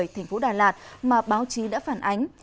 thành phố đà lạt mà báo chí đã phản ánh